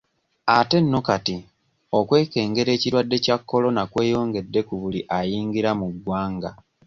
Ate nno kati okwekengera ekirwadde kya Corona kweyongedde ku buli ayingira mu ggwanga.